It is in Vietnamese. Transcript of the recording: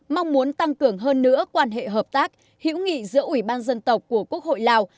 mong muốn tăng cường hơn nữa quan hệ hợp tác hữu nghị giữa ủy ban dân tộc của quốc hội lào